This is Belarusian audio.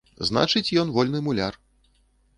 Значыць, ён вольны муляр.